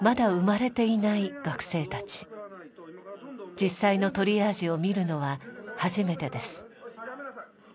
実際のトリアージを見るのは初めてです。